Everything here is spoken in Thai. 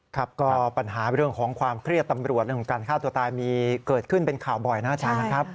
ครับก็ปัญหาเรื่องของความเครียดตำรวจเรื่องของการฆ่าตัวตายมีเกิดขึ้นเป็นข่าวบ่อยนะอาจารย์นะครับ